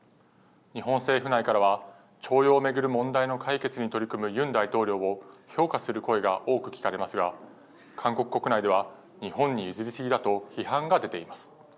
日本政府内からは徴用を巡る問題の解決に取り組むユン大統領を評価する声が多く聞かれますが、韓国国内では、日本に譲り過ぎだと批判が出ています。